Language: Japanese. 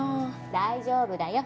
大丈夫だよ。